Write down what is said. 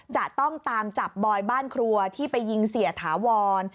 จะต้องตามจับบอยบ้านครัวที่ไปยิงเสียถาวร